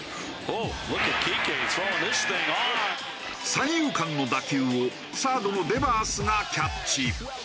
三遊間の打球をサードのデバースがキャッチ。